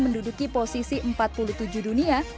menduduki posisi empat puluh tujuh dunia